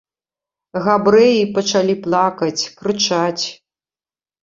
Габрэі пачалі плакаць, крычаць.